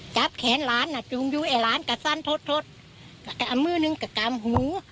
จับแขนหลานอ่ะจูงอยู่ไอ้หลานก็สั้นทดทดไอ้มือนึงก็กำหู